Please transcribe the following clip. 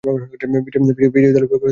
বিজয়ী দলের পক্ষে খেলা শেষ করেন।